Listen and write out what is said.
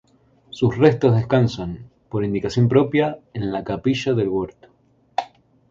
Sus restos descansan, por indicación propia, en la capilla del Huerto.